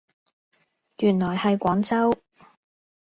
原來係廣州